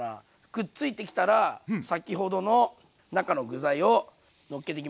くっついてきたら先ほどの中の具材をのっけていきます。